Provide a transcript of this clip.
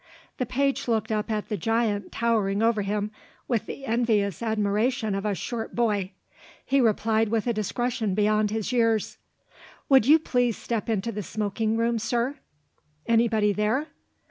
The page looked up at the giant towering over him, with the envious admiration of a short boy. He replied with a discretion beyond his years: "Would you please step into the smoking room, sir?" "Anybody there?"